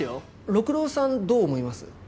六郎さんどう思います？